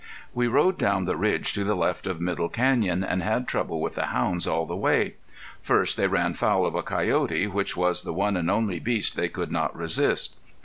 We rode down the ridge to the left of Middle Canyon, and had trouble with the hounds all the way. First they ran foul of a coyote, which was the one and only beast they could not resist.